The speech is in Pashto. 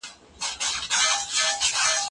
موږ په انټرنیټ کې علمي ویډیوګانې ګورو.